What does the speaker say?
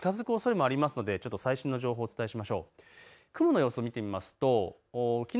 木曜日ごろ、関東に近づくおそれもありますので、最新の情報をお伝えしましょう。